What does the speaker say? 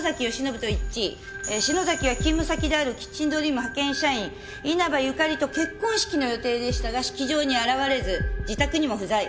篠崎は勤務先であるキッチンドリーム派遣社員稲葉由香利と結婚式の予定でしたが式場に現れず自宅にも不在。